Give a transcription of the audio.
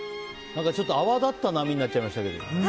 ちょっと泡立った波になっちゃいましたけど。